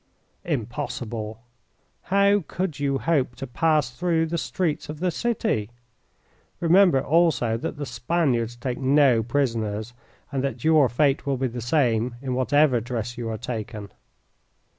"Impossible! How could you hope to pass through the streets of the city? Remember, also, that the Spaniards take no prisoners, and that your fate will be the same in whatever dress you are taken."